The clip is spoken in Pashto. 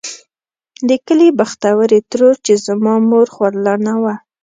د کلي بختورې ترور چې زما مور خورلڼه وه.